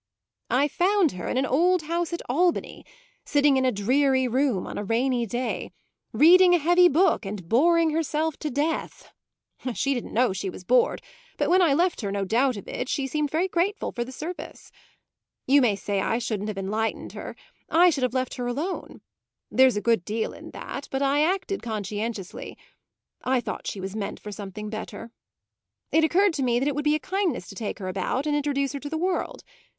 "I found her in an old house at Albany, sitting in a dreary room on a rainy day, reading a heavy book and boring herself to death. She didn't know she was bored, but when I left her no doubt of it she seemed very grateful for the service. You may say I shouldn't have enlightened her I should have let her alone. There's a good deal in that, but I acted conscientiously; I thought she was meant for something better. It occurred to me that it would be a kindness to take her about and introduce her to the world.